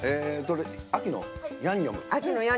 「秋のヤンニョム」。